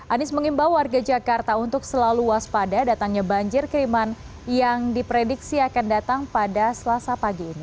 anies mengimbau warga jakarta untuk selalu waspada datangnya banjir kiriman yang diprediksi akan datang pada selasa pagi ini